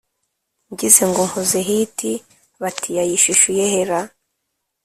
Ngize ngo nkoze hit bati yayishishuye he ra?